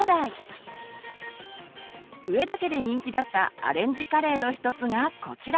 上田家で人気だったアレンジカレーの１つがこちら。